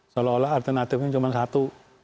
seolah olah alternatifnya cuma satu